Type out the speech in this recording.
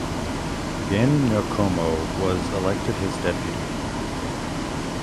Bongani Nkomo was elected his deputy.